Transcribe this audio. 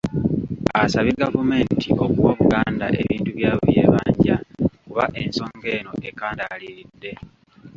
Asabye gavumenti okuwa Buganda ebintu byayo by'ebanja kuba ensonga eno ekandaaliridde.